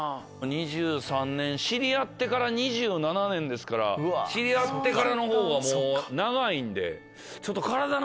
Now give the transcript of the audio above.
２３年知り合ってから２７年ですから知り合ってからのほうが長いんで。